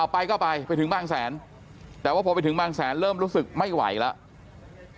ไปก็ไปไปถึงบางแสนแต่ว่าพอไปถึงบางแสนเริ่มรู้สึกไม่ไหวแล้ว